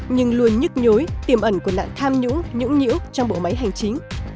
nhưng luôn nhức nhối tiềm ẩn của nạn tham nhũng nhũng nhiễu trong bộ máy hành chính